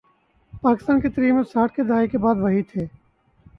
پاکستان کی تاریخ میں ساٹھ کی دہائی کے بعد، وہی تھے۔